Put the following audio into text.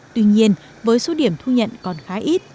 tuy nhiên với số điểm thu nhận còn khá ít